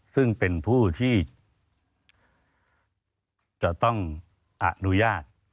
ซึ่งเป็นผู้ที่จะต้องอนุญาต